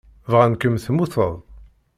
Bɣan-kem temmuteḍ.